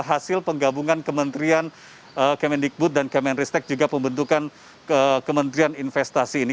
hasil penggabungan kementerian kemendikbud dan kemenristek juga pembentukan kementerian investasi ini